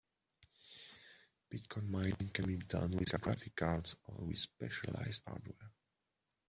Bitcoin mining can be done with graphic cards or with specialized hardware.